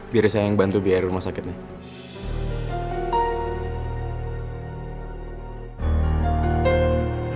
biar saya yang bantu biar rumah sakit nih